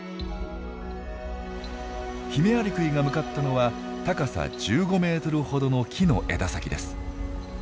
ヒメアリクイが向かったのは高さ１５メートルほどの木の枝先です。